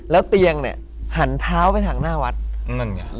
แล้วเตียงเนี้ยหันเท้าไปถังหน้าวัดหนึ่งอ่ะ